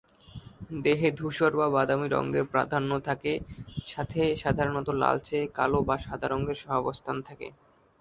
দেহে ধূসর বা বাদামি রঙের প্রাধান্য থাকে, সাথে সাধারণত লালচে, কালো বা সাদা রঙের সহাবস্থান থাকে।